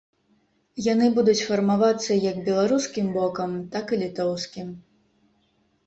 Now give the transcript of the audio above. Яны будуць фармавацца як беларускім бокам, так і літоўскім.